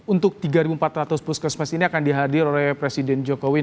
untuk tiga empat ratus puskesmas ini akan dihadir oleh presiden jokowi